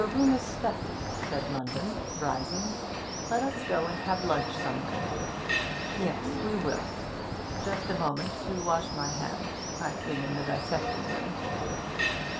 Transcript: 'Your room is stuffy,' said Munden, rising. 'Let us go and have lunch somewhere.' 'Yes, we will! Just a moment to wash my hands I've been in the dissecting room.'